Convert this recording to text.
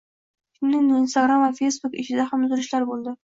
Shuningdek, Instagram va Facebook ishida ham uzilishlar bo‘ldi